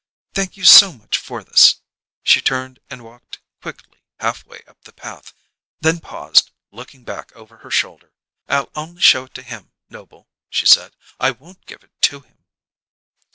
Thank you so much for this!" She turned and walked quickly halfway up the path, then paused, looking back over her shoulder. "I'll only show it to him, Noble," she said. "I won't give it to him!"